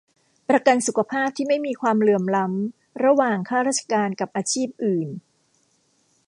ประกันสุขภาพที่ไม่มีความเหลื่อมล้ำระหว่างข้าราชการกับอาชีพอื่น